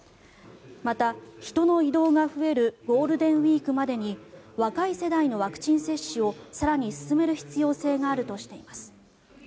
また、人の移動が増えるゴールデンウィークまでに若い世代のワクチン接種を更に進める必要性があるとしています。